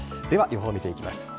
では、予報見ていきます。